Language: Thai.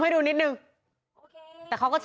โอ้ยน่าจะพักสีฟ้าแน่เลย